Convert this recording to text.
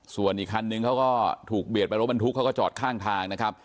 ส่วนอีกคันนึงเขาก็ถูกเบียดไปรถบรรทุกเขาก็จอดข้างทางนะครับ